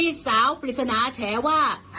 อีกสาวปริศนาแฉว่า